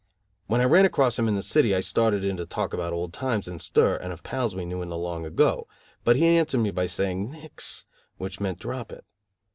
When I ran across him in the city I started in to talk about old times in stir and of pals we knew in the long ago, but he answered me by saying, "Nix", which meant "Drop It".